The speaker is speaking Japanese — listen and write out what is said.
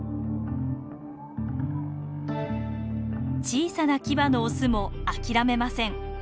小さなキバのオスも諦めません。